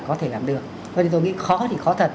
có thể làm được vậy thì tôi nghĩ khó thì khó thật